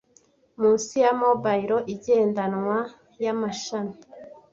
munsi ya mobile igendanwa yamashami